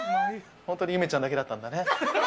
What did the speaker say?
本当にゆめちゃんだけだったんだね。